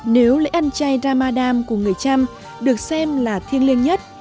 nếu lễ an chay ramadan của người chăm được xem là thiên liêng nhất